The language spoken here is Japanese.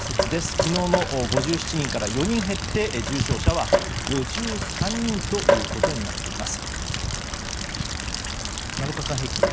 昨日の５７人から４人減って重症者は５３人ということになっています。